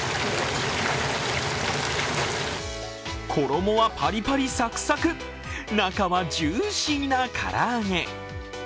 衣はパリパリ・サクサク、中はジューシーな唐揚げ。